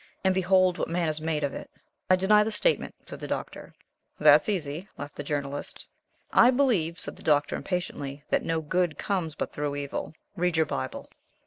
And behold what man has made of it!" "I deny the statement," said the Doctor. "That's easy," laughed the Journalist. "I believe," said the Doctor, impatiently, "that no good comes but through evil. Read your Bible."